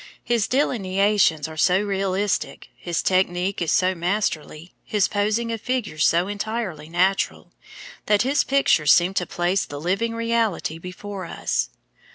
His delineations are so realistic, his technique is so masterly, his posing of figures so entirely natural, that his pictures seem to place the living reality before us.